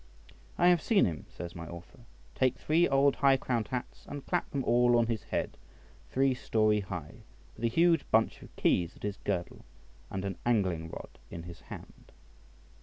I have seen him (says my author) take three old high crowned hats, and clap them all on his head, three storey high, with a huge bunch of keys at his girdle, and an angling rod in his hand.